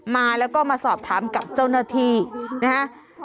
มาแล้วก็มาสอบถามกับเจ้าหน้าที่นะฮะ